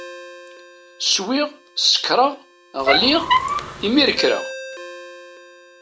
Swiɣ, sekṛeɣ, ɣliɣ, imir kreɣ.